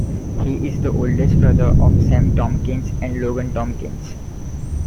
He is the oldest brother of Sam Tomkins and Logan Tomkins.